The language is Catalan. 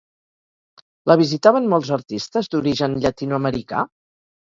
La visitaven molts artistes d'origen llatinoamericà?